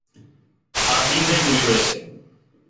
আর তিনটাই গুলি রয়েছে।